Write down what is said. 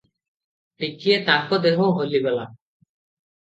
ଟିକିଏ ତାଙ୍କ ଦେହ ହଲିଗଲା ।